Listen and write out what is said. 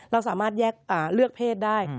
เราสามารถแยกเพศได้